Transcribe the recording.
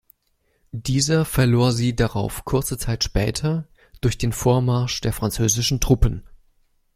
Dieser verlor sie darauf kurze Zeit später durch den Vormarsch der französischen Truppen.